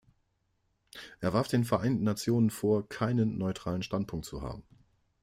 Er warf den Vereinten Nationen vor, keinen neutralen Standpunkt zu haben.